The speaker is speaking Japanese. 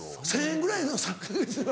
１０００円ぐらいのを３か月。